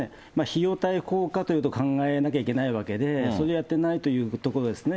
費用対効果ということを考えなきゃいけないわけで、それをやってないというところですね。